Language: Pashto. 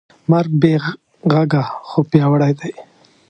مرګ بېغږه خو پیاوړی دی.